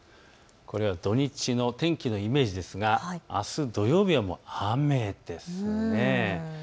土日の天気のイメージですが、あす土曜日は雨ですね。